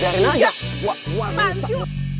biarin aja gua uang rusak